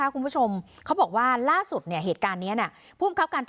คุณผู้ชมเขาบอกว่าล่าสุดเนี่ยเหตุการณ์เนี้ยเนอะ